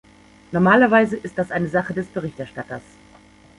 Normalerweise ist das eine Sache des Berichterstatters.